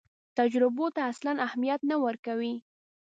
تجربو ته اصلاً اهمیت نه ورکوي.